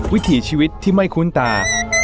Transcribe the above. วิถีชีวิตที่ไม่คุ้นตา